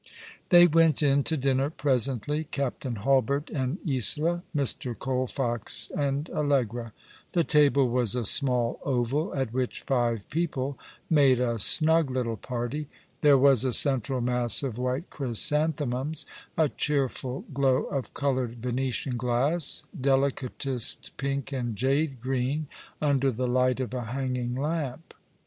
They went in to dinner presently. Captain Hulbert and Isola, Mr. Colfox and Allegra. The table was a small oval, at which five i^eople made a snug little party. There was a central mass of white chrysanthemums, a cheerful glow of coloured Venetian glass, delicatest jpink and jade green, under the light of a hanging lamp.